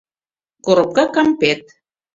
Коропка кампет.